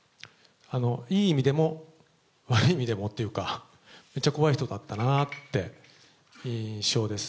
いい意味でも悪い意味でもっていうか、めっちゃ怖い人だったなという印象です。